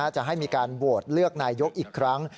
จะให้มีการโหวตเลือกนายกอีกครั้ง